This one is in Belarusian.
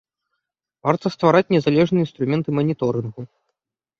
Варта ствараць незалежныя інструменты маніторынгу.